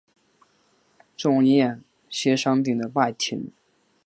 重檐歇山顶的拜亭。